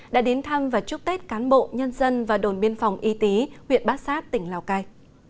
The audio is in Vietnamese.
đã đến thăm và chúc tết cán bộ nhân dân và đồn biên phòng y tý huyện bát sát tỉnh lào cai